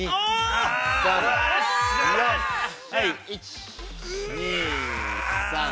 １、２、３、４。